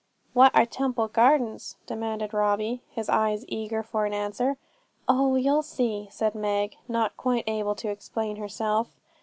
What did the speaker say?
'What are Temple Gardens?' demanded Robin, his eyes eager for an answer. 'Oh, you'll see,' said Meg, not quite able to explain herself.